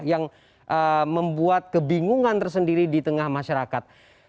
yang membuat kebingungan tersendiri di tengah masyarakat